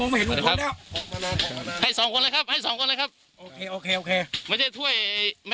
มาจากไหนอ่ะ